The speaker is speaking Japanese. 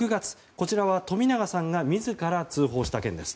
こちらは冨永さんが自ら通報した件です。